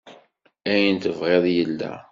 Ayen tebɣiḍ yella.